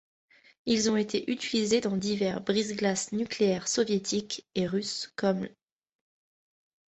Ils ont été utilisés dans divers brise-glace nucléaires soviétiques et russes, comme l'.